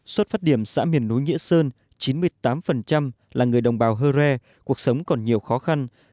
xuất phát điểm xã miền núi nghĩa sơn chín mươi tám là người đồng bào hơ re cuộc sống còn nhiều khó khăn